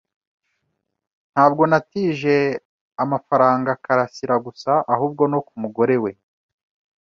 Ntabwo natije amafaranga Kalasira gusa, ahubwo no ku mugore we.